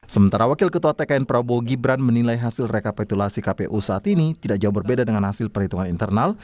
sementara wakil ketua tkn prabowo gibran menilai hasil rekapitulasi kpu saat ini tidak jauh berbeda dengan hasil perhitungan internal